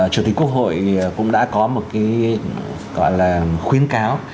chủ tịch quốc hội cũng đã có một cái gọi là khuyến cáo